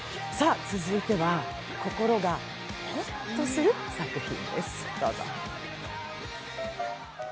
続いては、心がホッとする作品です